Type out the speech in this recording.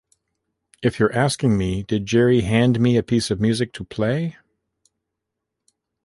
If you're asking me: 'Did Gerry hand me a piece of music to play?